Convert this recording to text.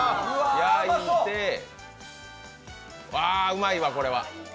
うまいわ、これは。